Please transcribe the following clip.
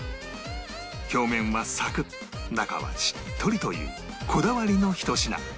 表面はサクッ中はしっとりというこだわりのひと品